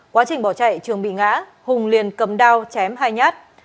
quá trình bỏ chạy trường bị ngã hùng liền cầm đao chém hai nhát